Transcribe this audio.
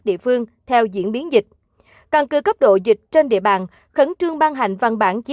địa phương theo diễn biến dịch căn cứ cấp độ dịch trên địa bàn khẩn trương ban hành văn bản chỉ